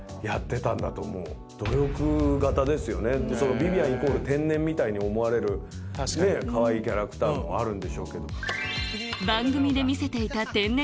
ビビアンイコール天然みたいに思われるかわいいキャラクターもあるんでしょうけど。